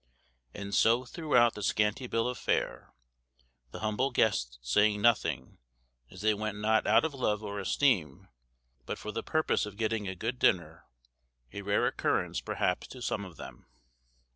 And so throughout the scanty bill of fare, the humble guests saying nothing, as they went not out of love or esteem, but for the purpose of getting a good dinner, a rare occurrence perhaps to some of them.